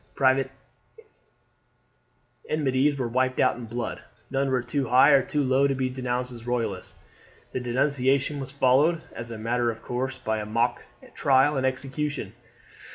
Private enmities were wiped out in blood. None were too high or too low to be denounced as Royalists, and denunciation was followed as a matter of course by a mock trial and execution.